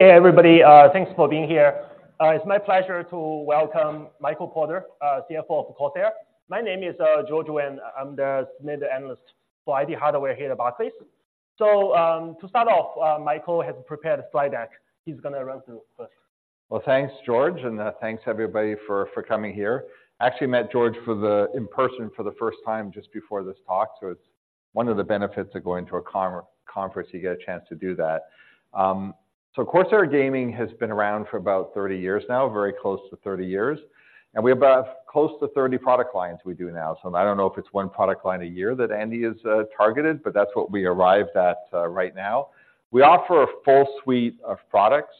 Hey, everybody, thanks for being here. It's my pleasure to welcome Michael Potter, CFO of Corsair. My name is George Wang. I'm the senior analyst for IT Hardware here at Barclays. So, to start off, Michael has prepared a slide deck he's gonna run through first. Well, thanks, George, and, thanks everybody for, for coming here. I actually met George in person for the first time just before this talk, so it's one of the benefits of going to a conference: you get a chance to do that. So Corsair Gaming has been around for about 30 years now, very close to 30 years, and we have about close to 30 product lines we do now. So I don't know if it's one product line a year that Andy has targeted, but that's what we arrived at right now. We offer a full suite of products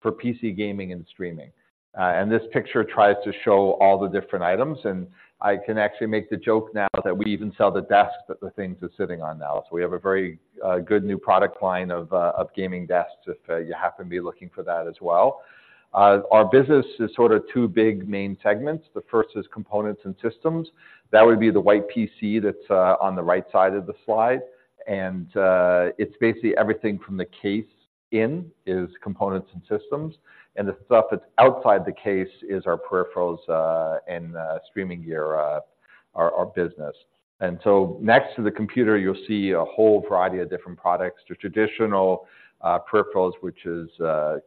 for PC gaming and streaming. And this picture tries to show all the different items, and I can actually make the joke now that we even sell the desk that the things are sitting on now. We have a very good new product line of gaming desks if you happen to be looking for that as well. Our business is sort of two big main segments. The first is components and systems. That would be the white PC that's on the right side of the slide, and it's basically everything from the case in is components and systems, and the stuff that's outside the case is our peripherals, and streaming gear, our business. Next to the computer, you'll see a whole variety of different products. The traditional peripherals, which is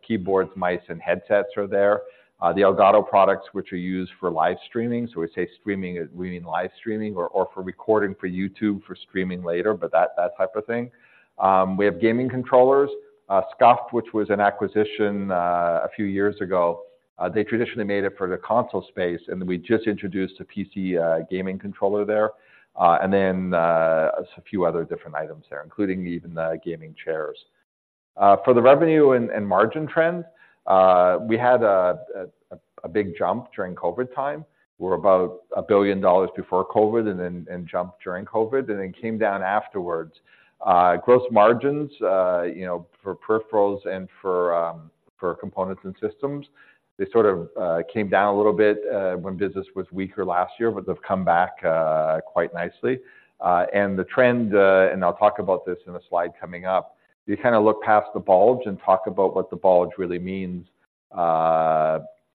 keyboards, mice, and headsets are there. The Elgato products, which are used for live streaming. We say streaming, we mean live streaming or for recording for YouTube, for streaming later, but that type of thing. We have gaming controllers, SCUF, which was an acquisition a few years ago. They traditionally made it for the console space, and we just introduced a PC gaming controller there, and then a few other different items there, including even the gaming chairs. For the revenue and margin trends, we had a big jump during COVID time, where about $1 billion before COVID and then jumped during COVID, and then came down afterwards. Gross margins, you know, for peripherals and for components and systems, they sort of came down a little bit when business was weaker last year, but they've come back quite nicely. And the trend, and I'll talk about this in a slide coming up, you kind of look past the bulge and talk about what the bulge really means.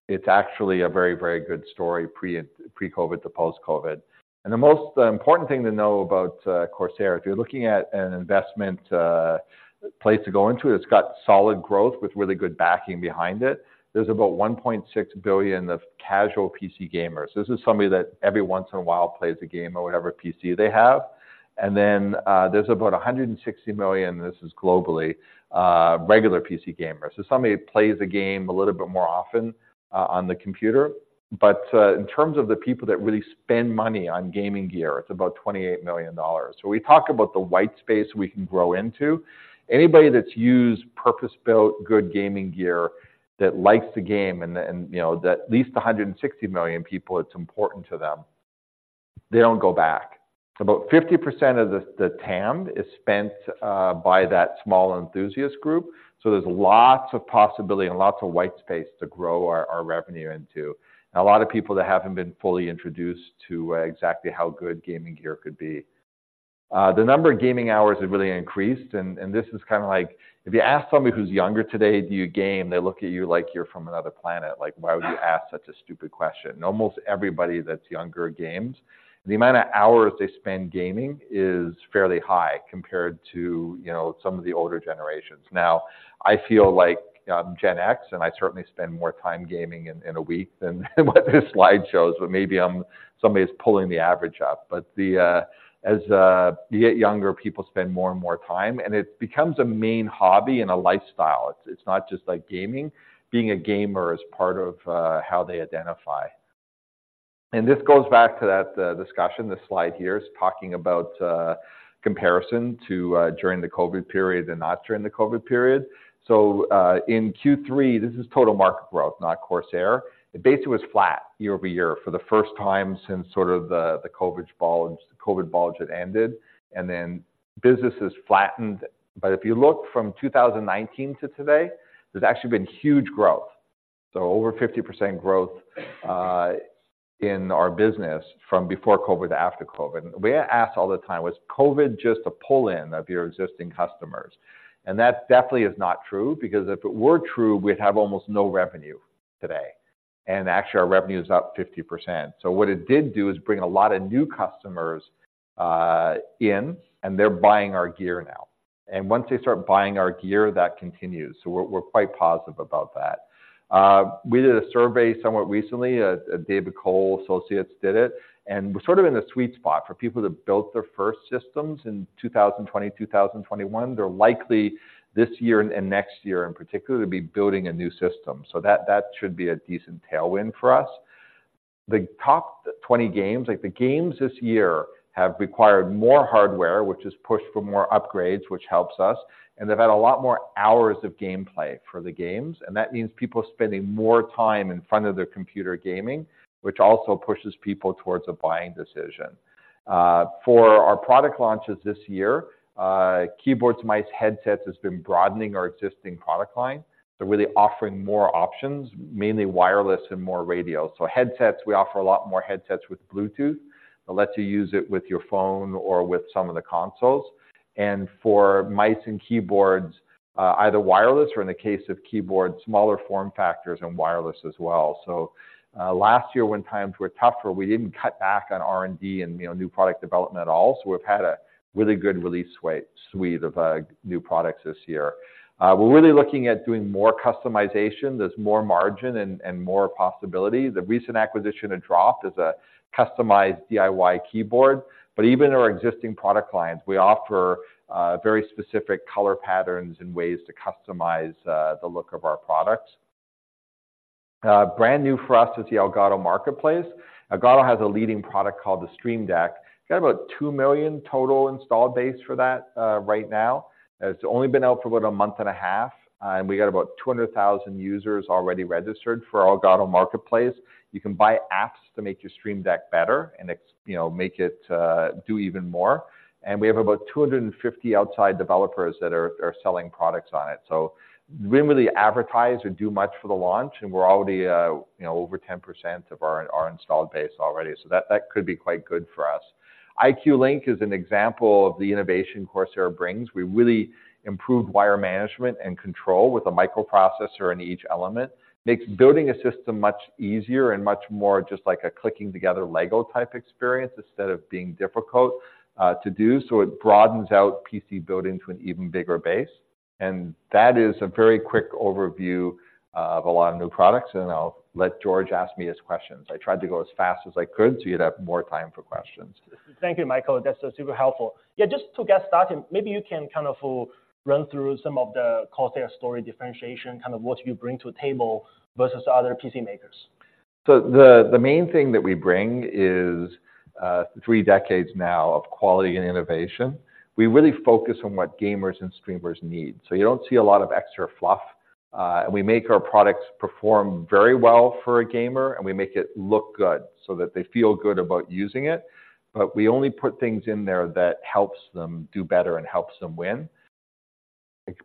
It's actually a very, very good story, pre-COVID to post-COVID. And the most important thing to know about, Corsair, if you're looking at an investment, place to go into, it's got solid growth with really good backing behind it. There's about 1.6 billion of casual PC gamers. This is somebody that every once in a while plays a game on whatever PC they have. And then, there's about 160 million, this is globally, regular PC gamers. So somebody who plays a game a little bit more often, on the computer. But in terms of the people that really spend money on gaming gear, it's about $28 million. So we talk about the white space we can grow into. Anybody that's used purpose-built good gaming gear, that likes to game and, you know, that at least 160 million people, it's important to them, they don't go back. About 50% of the TAM is spent by that small enthusiast group, so there's lots of possibility and lots of white space to grow our revenue into. A lot of people that haven't been fully introduced to exactly how good gaming gear could be. The number of gaming hours have really increased, and this is kinda like... if you ask somebody who's younger today, "Do you game?" They look at you like you're from another planet. Like, "Why would you ask such a stupid question?" Almost everybody that's younger, games. The amount of hours they spend gaming is fairly high compared to, you know, some of the older generations. Now, I feel like I'm Gen X, and I certainly spend more time gaming in a week than what this slide shows, but maybe I'm somebody who's pulling the average up. But as you get younger, people spend more and more time, and it becomes a main hobby and a lifestyle. It's not just like gaming, being a gamer is part of how they identify. And this goes back to that discussion. This slide here is talking about comparison to during the COVID period and not during the COVID period. So, in Q3, this is total market growth, not Corsair. It basically was flat year over year for the first time since sort of the COVID bulge had ended, and then business has flattened. But if you look from 2019 to today, there's actually been huge growth. So over 50% growth in our business from before COVID to after COVID. We are asked all the time, "Was COVID just a pull-in of your existing customers?" And that definitely is not true, because if it were true, we'd have almost no revenue today. And actually, our revenue is up 50%. So what it did do is bring a lot of new customers in, and they're buying our gear now. And once they start buying our gear, that continues, so we're quite positive about that. We did a survey somewhat recently, David Cole Associates did it, and we're sort of in the sweet spot for people to build their first systems in 2020, 2021. They're likely, this year and next year in particular, to be building a new system. So that should be a decent tailwind for us. The top 20 games, like the games this year, have required more hardware, which has pushed for more upgrades, which helps us, and they've had a lot more hours of gameplay for the games, and that means people spending more time in front of their computer gaming, which also pushes people towards a buying decision. For our product launches this year, keyboards, mice, headsets has been broadening our existing product line. So we're really offering more options, mainly wireless and more radio. So headsets, we offer a lot more headsets with Bluetooth, that lets you use it with your phone or with some of the consoles...and for mice and keyboards, either wireless or in the case of keyboards, smaller form factors and wireless as well. So, last year, when times were tougher, we didn't cut back on R&D and, you know, new product development at all. So we've had a really good release suite, suite of, new products this year. We're really looking at doing more customization. There's more margin and, and more possibility. The recent acquisition of Drop is a customized DIY keyboard, but even our existing product lines, we offer, very specific color patterns and ways to customize, the look of our products. Brand new for us is the Elgato Marketplace. Elgato has a leading product called the Stream Deck. Got about 2 million total installed base for that right now. It's only been out for about a month and a half, and we got about 200,000 users already registered for Elgato Marketplace. You can buy apps to make your Stream Deck better and, you know, make it do even more. And we have about 250 outside developers that are selling products on it. So we didn't really advertise or do much for the launch, and we're already, you know, over 10% of our installed base already. So that could be quite good for us. iCUE Link is an example of the innovation Corsair brings. We really improved wire management and control with a microprocessor in each element. Makes building a system much easier and much more just like a clicking together Lego-type experience, instead of being difficult to do, so it broadens out PC building to an even bigger base. That is a very quick overview of a lot of new products, and I'll let George ask me his questions. I tried to go as fast as I could so you'd have more time for questions. Thank you, Michael. That's super helpful. Yeah, just to get started, maybe you can kind of run through some of the Corsair story differentiation, kind of what you bring to the table versus other PC makers. So the main thing that we bring is three decades now of quality and innovation. We really focus on what gamers and streamers need, so you don't see a lot of extra fluff, and we make our products perform very well for a gamer, and we make it look good so that they feel good about using it. But we only put things in there that helps them do better and helps them win.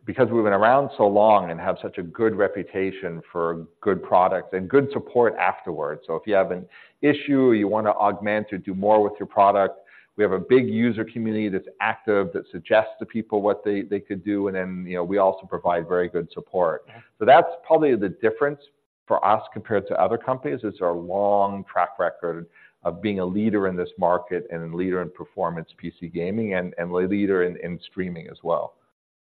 Because we've been around so long and have such a good reputation for good products and good support afterwards. So if you have an issue, or you want to augment or do more with your product, we have a big user community that's active, that suggests to people what they could do, and then, you know, we also provide very good support. So that's probably the difference for us compared to other companies, is our long track record of being a leader in this market and a leader in performance PC gaming and a leader in streaming as well.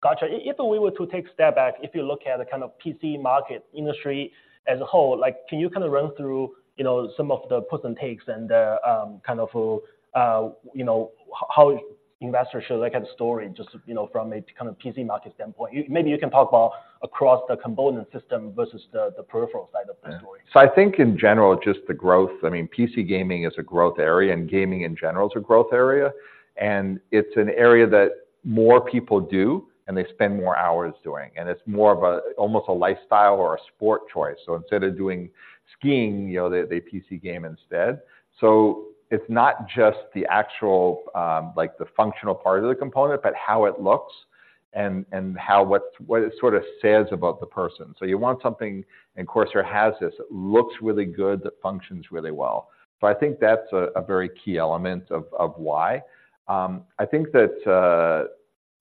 Gotcha. If we were to take a step back, if you look at the kind of PC market industry as a whole, like, can you kind of run through, you know, some of the puts and takes and the, kind of, you know, how investors should look at the story just, you know, from a kind of PC market standpoint? Maybe you can talk about across the component system versus the, the peripheral side of the story. So I think in general, just the growth, I mean, PC gaming is a growth area, and gaming in general is a growth area, and it's an area that more people do and they spend more hours doing, and it's more of a, almost a lifestyle or a sport choice. So instead of doing skiing, you know, they, they PC game instead. So it's not just the actual, like, the functional part of the component, but how it looks and, and how what, what it sort of says about the person. So you want something, and Corsair has this, looks really good, that functions really well. So I think that's a very key element of why. I think that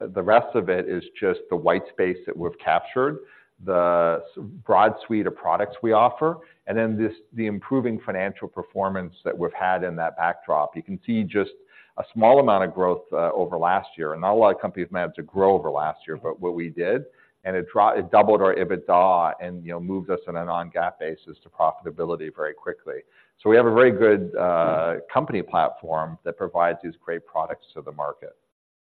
the rest of it is just the white space that we've captured, the broad suite of products we offer, and then this... the improving financial performance that we've had in that backdrop. You can see just a small amount of growth over last year, and not a lot of companies managed to grow over last year, but what we did, and it doubled our EBITDA and, you know, moved us on a non-GAAP basis to profitability very quickly. So we have a very good company platform that provides these great products to the market.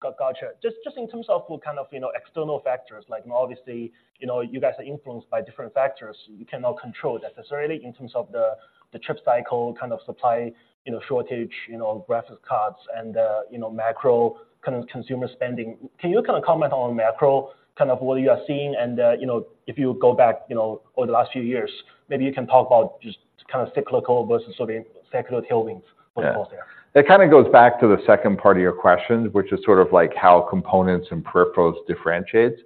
Gotcha. Just in terms of kind of, you know, external factors, like obviously, you know, you guys are influenced by different factors. You cannot control necessarily in terms of the chip cycle, kind of supply, you know, shortage, you know, graphics cards and, you know, macro kind of consumer spending. Can you kind of comment on macro, kind of what you are seeing and, you know, if you go back, you know, over the last few years, maybe you can talk about just kind of cyclical versus sort of secular tailwinds for Corsair? It kind of goes back to the second part of your question, which is sort of like how components and peripherals differentiates.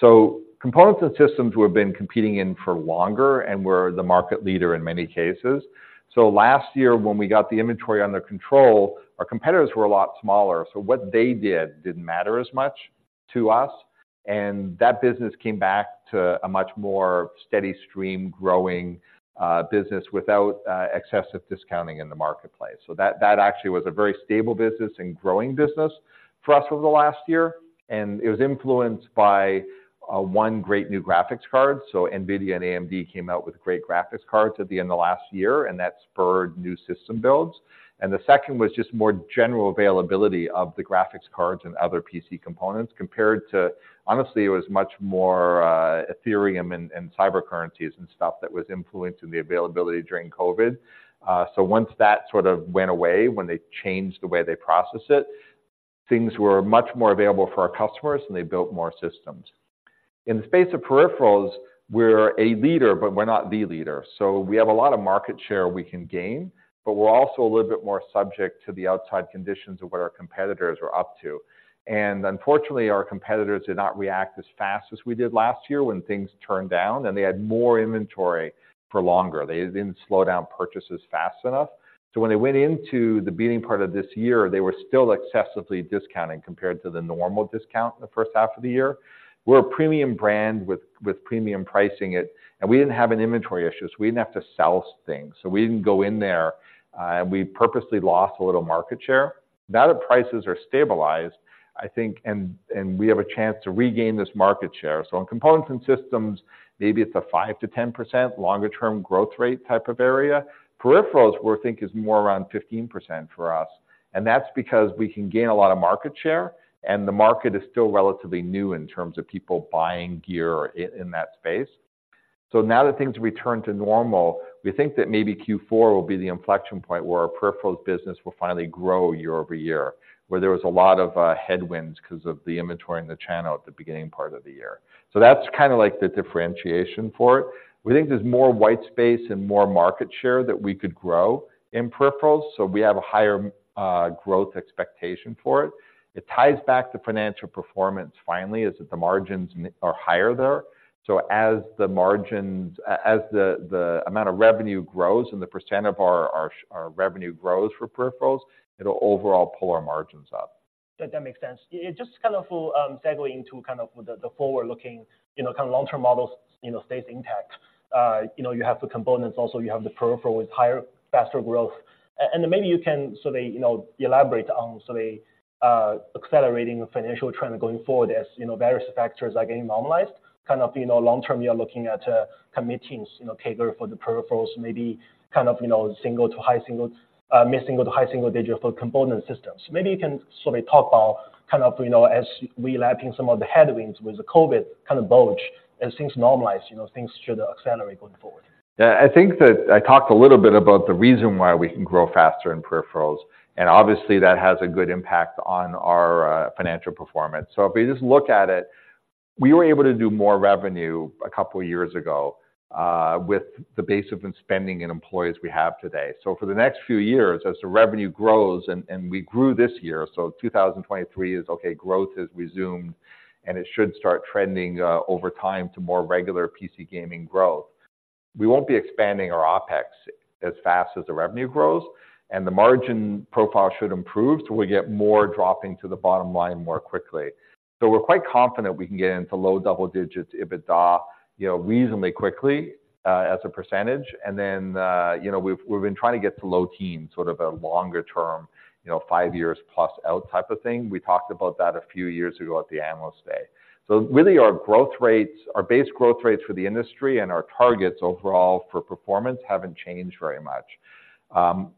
So components and systems we have been competing in for longer, and we're the market leader in many cases. So last year, when we got the inventory under control, our competitors were a lot smaller, so what they did didn't matter as much to us, and that business came back to a much more steady stream, growing business without excessive discounting in the marketplace. So that actually was a very stable business and growing business for us over the last year, and it was influenced by one great new graphics card. So NVIDIA and AMD came out with great graphics cards at the end of last year, and that spurred new system builds. The second was just more general availability of the graphics cards and other PC components compared to, honestly, it was much more Ethereum and cryptocurrencies and stuff that was influencing the availability during COVID. So once that sort of went away, when they changed the way they process it, things were much more available for our customers, and they built more systems. In the space of peripherals, we're a leader, but we're not the leader. So we have a lot of market share we can gain, but we're also a little bit more subject to the outside conditions of what our competitors are up to. Unfortunately, our competitors did not react as fast as we did last year when things turned down, and they had more inventory for longer. They didn't slow down purchases fast enough. So when they went into the beginning part of this year, they were still excessively discounting compared to the normal discount in the first half of the year. We're a premium brand with premium pricing, and we didn't have any inventory issues, we didn't have to sell things, so we didn't go in there, and we purposely lost a little market share. Now that prices are stabilized, I think, and we have a chance to regain this market share. So in components and systems, maybe it's a 5%-10% longer term growth rate type of area. Peripherals, we think, is more around 15% for us, and that's because we can gain a lot of market share, and the market is still relatively new in terms of people buying gear in that space. So now that things return to normal, we think that maybe Q4 will be the inflection point where our peripherals business will finally grow year-over-year, where there was a lot of headwinds because of the inventory in the channel at the beginning part of the year. So that's kind of like the differentiation for it. We think there's more white space and more market share that we could grow in peripherals, so we have a higher growth expectation for it. It ties back to financial performance finally, as if the margins are higher there. So as the margins—as the amount of revenue grows and the percent of our revenue grows for peripherals, it'll overall pull our margins up. That makes sense. It just kind of for segue into kind of the forward-looking, you know, kind of long-term models, you know, stays intact. You know, you have the components, also, you have the peripheral with higher, faster growth. And maybe you can sort of, you know, elaborate on, sort of, accelerating the financial trend going forward as, you know, various factors are getting normalized. Kind of, you know, long term, you're looking at committing, you know, CAGR for the peripherals, maybe kind of, you know, single to high single, mid-single to high single digit for component systems. Maybe you can sort of talk about kind of, you know, as we lapping some of the headwinds with the COVID kind of bulge, as things normalize, you know, things should accelerate going forward. Yeah, I think that I talked a little bit about the reason why we can grow faster in peripherals, and obviously, that has a good impact on our financial performance. So if you just look at it, we were able to do more revenue a couple of years ago with the base of spending and employees we have today. So for the next few years, as the revenue grows and, and we grew this year, so 2023 is, okay, growth is resumed, and it should start trending over time to more regular PC gaming growth. We won't be expanding our OpEx as fast as the revenue grows, and the margin profile should improve, so we get more dropping to the bottom line more quickly. So we're quite confident we can get into low double digits% EBITDA, you know, reasonably quickly as a percentage. And then, you know, we've, we've been trying to get to low teens, sort of a longer term, you know, five years plus out type of thing. We talked about that a few years ago at the Analyst Day. So really, our growth rates, our base growth rates for the industry and our targets overall for performance haven't changed very much.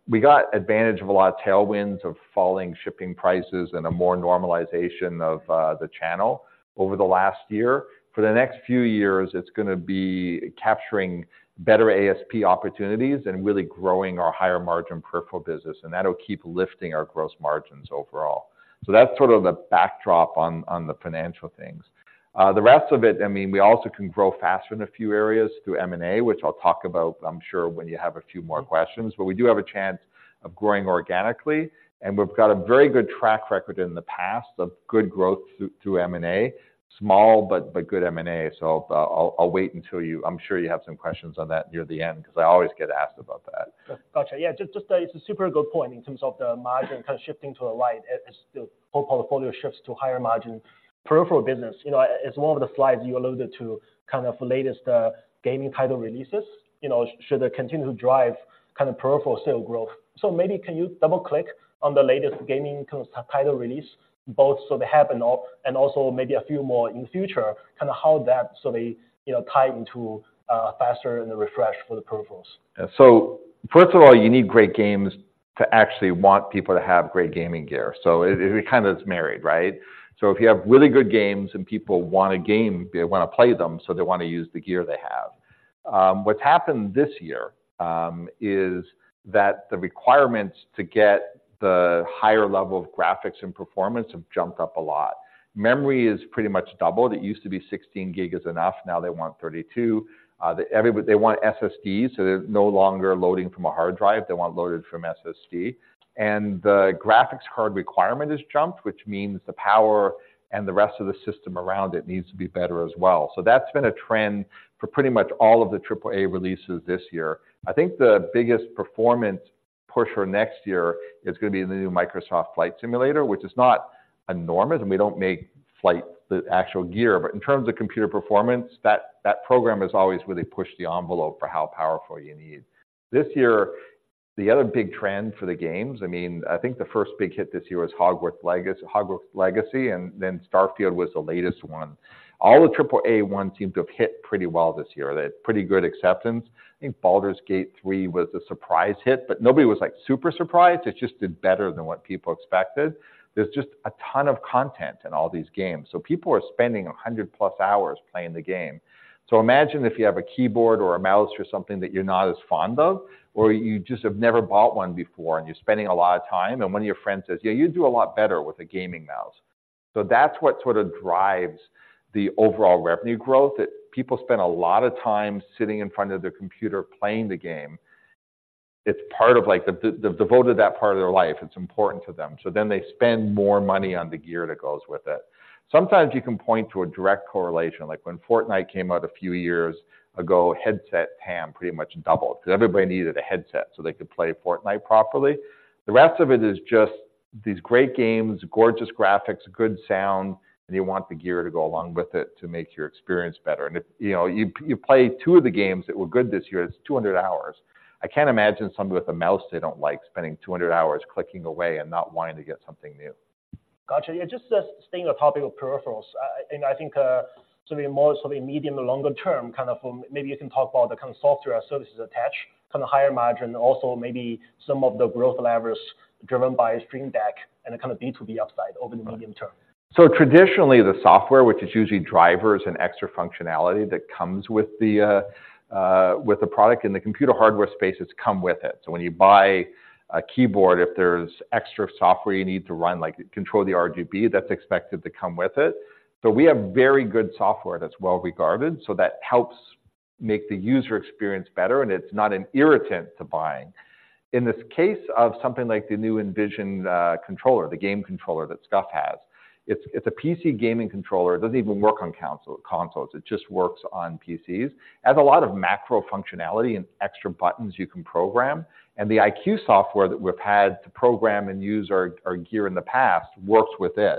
We got advantage of a lot of tailwinds, of falling shipping prices and a more normalization of, the channel over the last year. For the next few years, it's gonna be capturing better ASP opportunities and really growing our higher-margin peripheral business, and that'll keep lifting our gross margins overall. So that's sort of the backdrop on, on the financial things. The rest of it, I mean, we also can grow faster in a few areas through M&A, which I'll talk about, I'm sure, when you have a few more questions. But we do have a chance of growing organically, and we've got a very good track record in the past of good growth through M&A. Small, but good M&A, so I'll wait until you, I'm sure you have some questions on that near the end, because I always get asked about that. Gotcha. Yeah, just, just a super good point in terms of the margin kind of shifting to the light as the whole portfolio shifts to higher margin peripheral business. You know, as one of the slides you alluded to, kind of latest gaming title releases, you know, should continue to drive kind of peripheral sale growth. So maybe can you double-click on the latest gaming title release, both so they have and all, and also maybe a few more in the future, kind of how that sort of, you know, tie into faster and the refresh for the peripherals? So first of all, you need great games to actually want people to have great gaming gear. So it, it kind of is married, right? So if you have really good games and people want to game, they want to play them, so they want to use the gear they have. What's happened this year is that the requirements to get the higher level of graphics and performance have jumped up a lot. Memory is pretty much doubled. It used to be 16 GB is enough, now they want 32 GB. They want SSDs, so they're no longer loading from a hard drive, they want loaded from SSD. And the graphics card requirement has jumped, which means the power and the rest of the system around it needs to be better as well. So that's been a trend for pretty much all of the Triple-A releases this year. I think the biggest performance pusher next year is gonna be the new Microsoft Flight Simulator, which is not enormous, and we don't make flight, the actual gear. But in terms of computer performance, that, that program has always really pushed the envelope for how powerful you need. This year, the other big trend for the games, I mean, I think the first big hit this year was Hogwarts Legacy, Hogwarts Legacy, and then Starfield was the latest one. All the Triple-A ones seem to have hit pretty well this year. They had pretty good acceptance. I think Baldur's Gate III was a surprise hit, but nobody was, like, super surprised. It just did better than what people expected. There's just a ton of content in all these games, so people are spending 100+ hours playing the game. So imagine if you have a keyboard or a mouse or something that you're not as fond of, or you just have never bought one before, and you're spending a lot of time, and one of your friends says, "Yeah, you'd do a lot better with a gaming mouse."... So that's what sort of drives the overall revenue growth, that people spend a lot of time sitting in front of their computer, playing the game. It's part of, like, the devoted that part of their life. It's important to them, so then they spend more money on the gear that goes with it. Sometimes you can point to a direct correlation, like when Fortnite came out a few years ago, headset TAM pretty much doubled, because everybody needed a headset so they could play Fortnite properly. The rest of it is just these great games, gorgeous graphics, good sound, and you want the gear to go along with it to make your experience better. And if, you know, you play two of the games that were good this year, it's 200 hours. I can't imagine somebody with a mouse they don't like, spending 200 hours clicking away and not wanting to get something new. Gotcha. Yeah, just, just staying on topic of peripherals, and I think, so more sort of medium to longer term, kind of, maybe you can talk about the kind of software services attached, kind of higher margin, and also maybe some of the growth levers driven by Stream Deck and the kind of B2B upside over the medium term. So traditionally, the software, which is usually drivers and extra functionality that comes with the product, in the computer hardware space, it's come with it. So when you buy a keyboard, if there's extra software you need to run, like control the RGB, that's expected to come with it. So we have very good software that's well regarded, so that helps make the user experience better, and it's not an irritant to buying. In this case of something like the new Envision controller, the game controller that SCUF has, it's a PC gaming controller. It doesn't even work on consoles, it just works on PCs. It has a lot of macro functionality and extra buttons you can program, and the iCUE software that we've had to program and use our gear in the past works with it.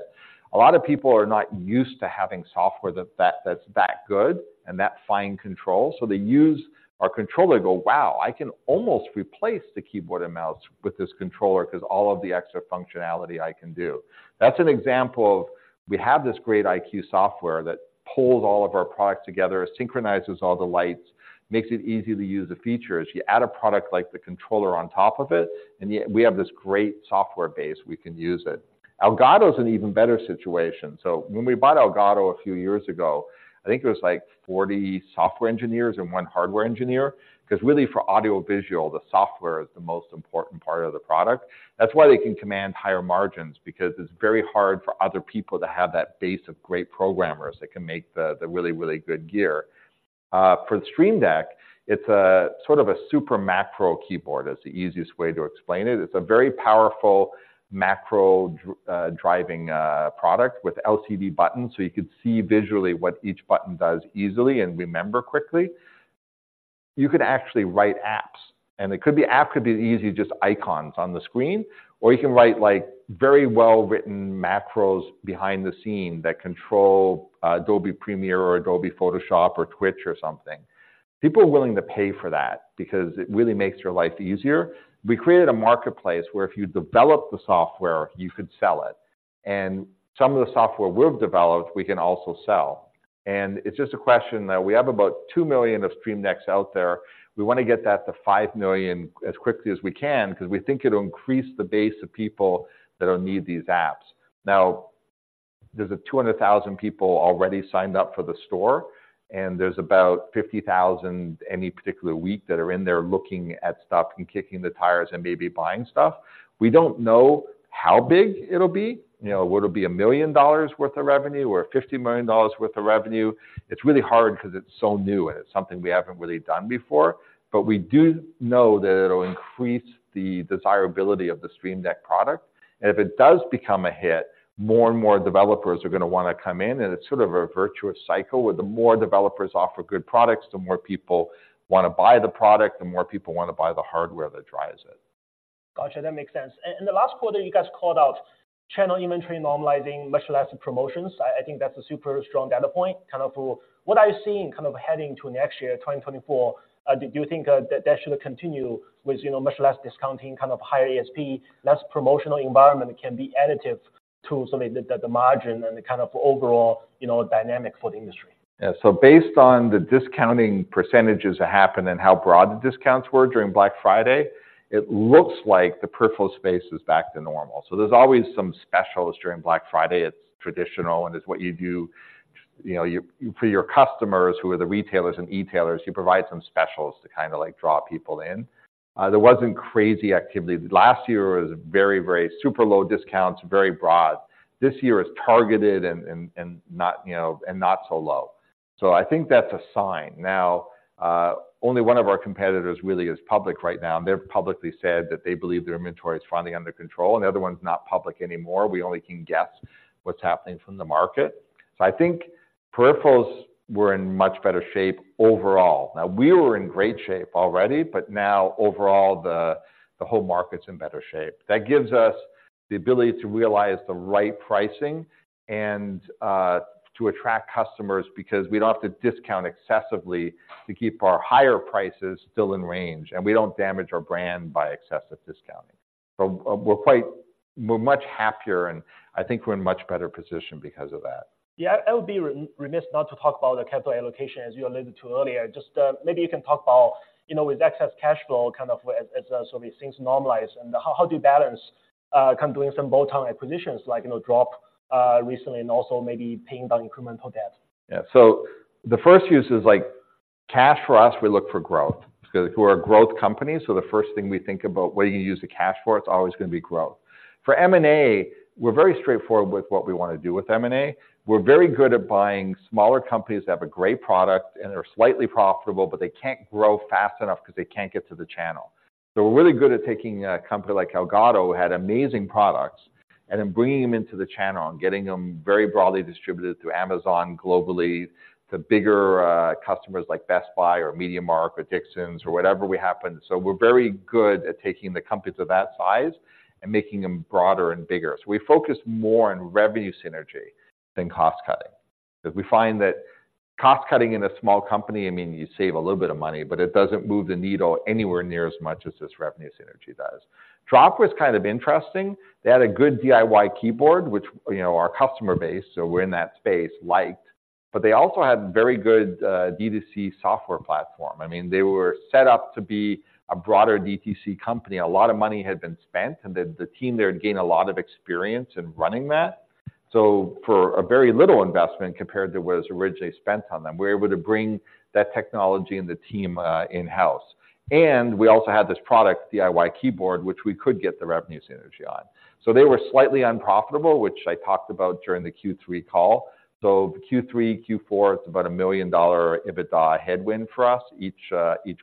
A lot of people are not used to having software that's that good and that fine control, so they use our controller and go, "Wow, I can almost replace the keyboard and mouse with this controller, because all of the extra functionality I can do." That's an example of we have this great iCUE software that pulls all of our products together, synchronizes all the lights, makes it easy to use the features. You add a product like the controller on top of it, and yet we have this great software base we can use it. Elgato is an even better situation. So when we bought Elgato a few years ago, I think it was like 40 software engineers and one hardware engineer, because really, for audiovisual, the software is the most important part of the product. That's why they can command higher margins, because it's very hard for other people to have that base of great programmers that can make the really, really good gear. For the Stream Deck, it's a sort of a super macro keyboard, is the easiest way to explain it. It's a very powerful macro driving product with LCD buttons, so you could see visually what each button does easily and remember quickly. You could actually write apps, and it could be.. app could be easy, just icons on the screen, or you can write, like, very well-written macros behind the scene that control Adobe Premiere or Adobe Photoshop or Twitch or something. People are willing to pay for that because it really makes your life easier. We created a marketplace where if you develop the software, you could sell it, and some of the software we've developed, we can also sell. It's just a question that we have about 2 million Stream Decks out there. We wanna get that to 5 million as quickly as we can because we think it'll increase the base of people that'll need these apps. Now, there's 200,000 people already signed up for the store, and there's about 50,000 any particular week that are in there looking at stuff and kicking the tires and maybe buying stuff. We don't know how big it'll be. You know, will it be $1 million worth of revenue or $50 million worth of revenue? It's really hard because it's so new, and it's something we haven't really done before, but we do know that it'll increase the desirability of the Stream Deck product. If it does become a hit, more and more developers are gonna wanna come in, and it's sort of a virtuous cycle, where the more developers offer good products, the more people wanna buy the product, the more people wanna buy the hardware that drives it. Gotcha, that makes sense. And the last quarter, you guys called out channel inventory normalizing, much less promotions. I think that's a super strong data point. Kind of what are you seeing kind of heading to next year, 2024? Do you think that should continue with, you know, much less discounting, kind of higher ASP, less promotional environment can be additive to sort of the margin and the kind of overall, you know, dynamic for the industry? Yeah. So based on the discounting percentages that happened and how broad the discounts were during Black Friday, it looks like the peripheral space is back to normal. So there's always some specials during Black Friday. It's traditional, and it's what you do, you know, for your customers, who are the retailers and e-tailers, you provide some specials to kind of, like, draw people in. There wasn't crazy activity. Last year was very, very super low discounts, very broad. This year is targeted and not, you know, and not so low. So I think that's a sign. Now, only one of our competitors really is public right now, and they've publicly said that they believe their inventory is finally under control, and the other one's not public anymore. We only can guess what's happening from the market. So I think peripherals were in much better shape overall. Now, we were in great shape already, but now overall, the whole market's in better shape. That gives us the ability to realize the right pricing and to attract customers because we don't have to discount excessively to keep our higher prices still in range, and we don't damage our brand by excessive discounting. So we're quite... We're much happier, and I think we're in much better position because of that. Yeah, I would be remiss not to talk about the capital allocation, as you alluded to earlier. Just, maybe you can talk about, you know, with excess cash flow, kind of, as sort of things normalize, and how do you balance, kind of doing some bolt-on acquisitions like, you know, Drop, recently, and also maybe paying down incremental debt? Yeah. So the first use is like cash for us, we look for growth, because we're a growth company, so the first thing we think about, what are you going to use the cash for? It's always going to be growth. For M&A, we're very straightforward with what we want to do with M&A. We're very good at buying smaller companies that have a great product, and they're slightly profitable, but they can't grow fast enough because they can't get to the channel. So we're really good at taking a company like Elgato, who had amazing products, and then bringing them into the channel and getting them very broadly distributed through Amazon globally, to bigger customers like Best Buy or MediaMarkt, or Dixons, or whatever we happen. So we're very good at taking the companies of that size and making them broader and bigger. So we focus more on revenue synergy than cost cutting, because we find that cost cutting in a small company, I mean, you save a little bit of money, but it doesn't move the needle anywhere near as much as this revenue synergy does. Drop was kind of interesting. They had a good DIY keyboard, which, you know, our customer base, so we're in that space, liked, but they also had very good, D2C software platform. I mean, they were set up to be a broader DTC company. A lot of money had been spent, and the team there had gained a lot of experience in running that. So for a very little investment, compared to what was originally spent on them, we're able to bring that technology and the team, in-house. We also had this product, DIY keyboard, which we could get the revenue synergy on. So they were slightly unprofitable, which I talked about during the Q3 call. So Q3, Q4, it's about a $1 million EBITDA headwind for us each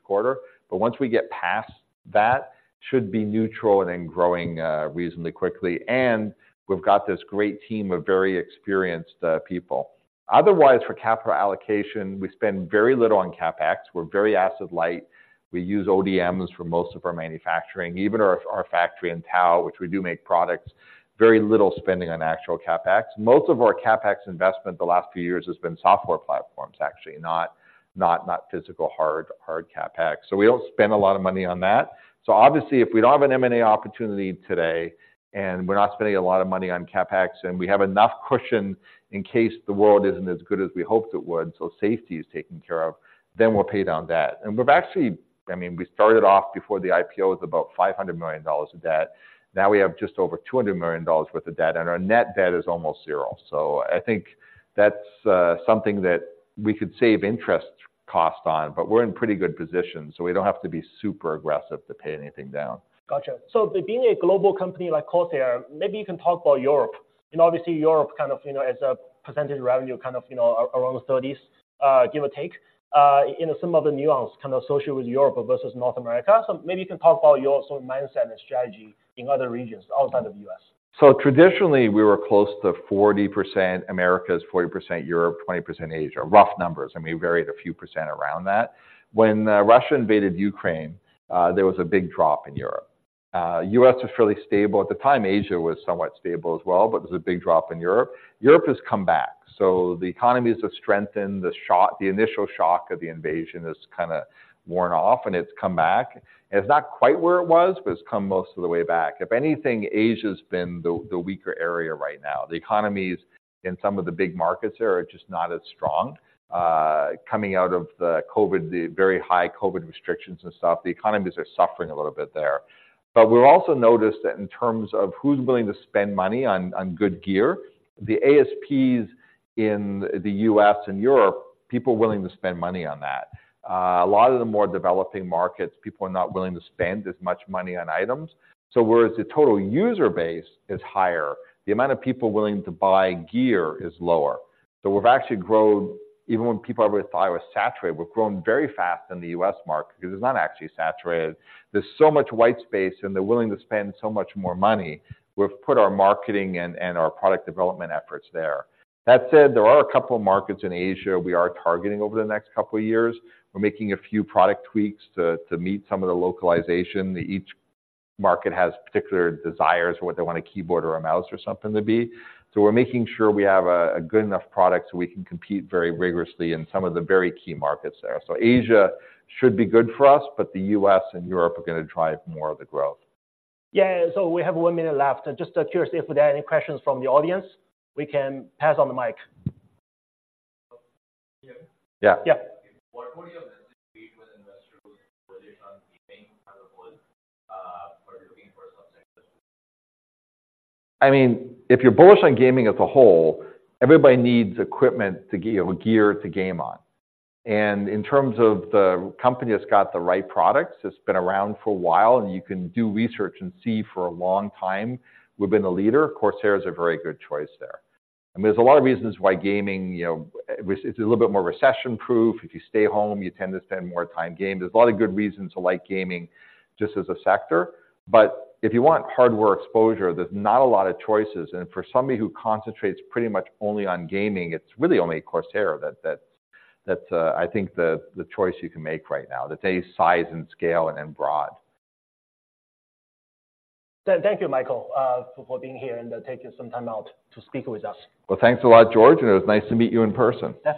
quarter, but once we get past that, should be neutral and then growing reasonably quickly. And we've got this great team of very experienced people. Otherwise, for capital allocation, we spend very little on CapEx. We're very asset light. We use ODMs for most of our manufacturing, even our factory in Taiwan, which we do make products, very little spending on actual CapEx. Most of our CapEx investment, the last few years, has been software platforms, actually, not physical hard CapEx. So we don't spend a lot of money on that. So obviously, if we don't have an M&A opportunity today, and we're not spending a lot of money on CapEx, and we have enough cushion in case the world isn't as good as we hoped it would, so safety is taken care of, then we'll pay down debt. And we've actually, I mean, we started off before the IPO with about $500 million of debt. Now, we have just over $200 million worth of debt, and our net debt is almost zero. So I think that's something that we could save interest cost on, but we're in pretty good position, so we don't have to be super aggressive to pay anything down. Got you. So being a global company like CORSAIR, maybe you can talk about Europe. And obviously, Europe kind of, you know, as a percentage revenue, kind of, you know, around the thirties, give or take. You know, some of the nuance kind of associated with Europe versus North America. So maybe you can talk about your sort of mindset and strategy in other regions outside of the U.S.. So traditionally, we were close to 40% Americas, 40% Europe, 20% Asia. Rough numbers, and we varied a few % around that. When Russia invaded Ukraine, there was a big drop in Europe. U.S. was fairly stable at the time. Asia was somewhat stable as well, but there was a big drop in Europe. Europe has come back, so the economies have strengthened. The initial shock of the invasion has kinda worn off, and it's come back. It's not quite where it was, but it's come most of the way back. If anything, Asia's been the weaker area right now. The economies in some of the big markets there are just not as strong. Coming out of the COVID, the very high COVID restrictions and stuff, the economies are suffering a little bit there. But we've also noticed that in terms of who's willing to spend money on, on good gear, the ASPs in the U.S. and Europe, people are willing to spend money on that. A lot of the more developing markets, people are not willing to spend as much money on items. So whereas the total user base is higher, the amount of people willing to buy gear is lower. So we've actually grown... Even when people thought we were saturated, we've grown very fast in the U.S. market because it's not actually saturated. There's so much white space, and they're willing to spend so much more money. We've put our marketing and, and our product development efforts there. That said, there are a couple of markets in Asia we are targeting over the next couple of years. We're making a few product tweaks to, to meet some of the localization. Each market has particular desires for what they want a keyboard or a mouse or something to be. So we're making sure we have a good enough product, so we can compete very rigorously in some of the very key markets there. So Asia should be good for us, but the U.S. and Europe are going to drive more of the growth. Yeah, so we have one minute left. Just curious if there are any questions from the audience, we can pass on the mic. Yeah. Yeah. Yeah. What would your message be to investors on gaming as a whole, who are looking for a subject? I mean, if you're bullish on gaming as a whole, everybody needs equipment to—or gear to game on. And in terms of the company that's got the right products, that's been around for a while, and you can do research and see for a long time, we've been a leader. Corsair is a very good choice there. And there's a lot of reasons why gaming, you know, it's a little bit more recession-proof. If you stay home, you tend to spend more time gaming. There's a lot of good reasons to like gaming just as a sector, but if you want hardware exposure, there's not a lot of choices. And for somebody who concentrates pretty much only on gaming, it's really only Corsair that's, I think, the choice you can make right now, that's a size and scale and then broad. Thank you, Michael, for being here and taking some time out to speak with us. Well, thanks a lot, George, and it was nice to meet you in person.